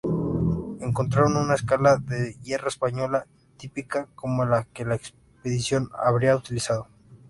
Encontraron una escala de hierro española típica, como la que la expedición habría utilizado.